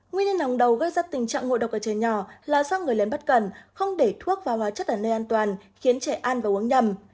nguyên nhân hàng đầu gây ra tình trạng ngộ độc ở trẻ nhỏ là do người lấn bất cần không để thuốc và hóa chất ở nơi an toàn khiến trẻ ăn và uống nhầm